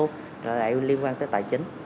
rồi lại liên quan tới tài chính